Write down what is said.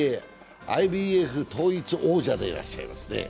ＷＢＡ、ＩＢＦ統一王者でいらっしゃいます。